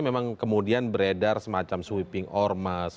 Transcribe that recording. memang kemudian beredar semacam sweeping ormas